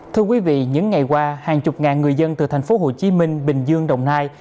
thưa quý vị những ngày qua hàng chục ngàn người dân từ tp hcm bình dương đồng nai